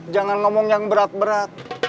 jangan ngomong yang berat berat